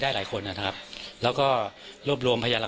มีการติดตามหาตัวคนตายพ่อไม่ครับ